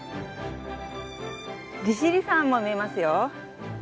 利尻山も見えますよ。